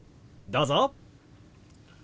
どうぞ！